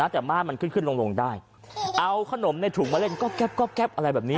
แต่ม่านมันขึ้นขึ้นลงลงได้เอาขนมในถุงมาเล่นก๊อบแก๊บก๊อบแก๊บอะไรแบบนี้